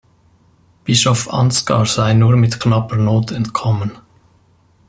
Bischof Ansgar sei nur mit knapper Not entkommen.